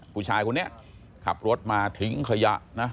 ผู้ชายคนนี้ขับรถมาทิ้งขยะนะ